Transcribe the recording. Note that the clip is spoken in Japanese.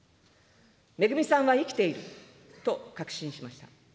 めぐみさんは生きていると確信しました。